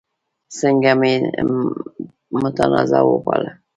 ځکه مې متنازعه وباله.